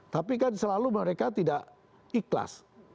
tapi kan selalu mereka tidak ikhlas